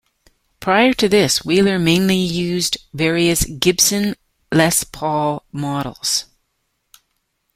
Prior to this Wheeler mainly used various Gibson Les Paul models.